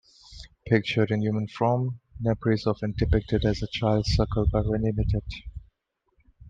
Pictured in human form, Nepri is often depicted as a child suckled by Renenutet.